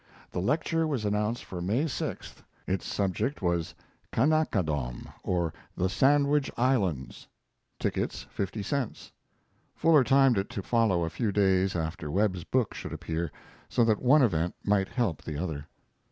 The lecture was announced for May 6th. Its subject was "Kanakadom, or the Sandwich Islands" tickets fifty cents. Fuller timed it to follow a few days after Webb's book should appear, so that one event might help the other.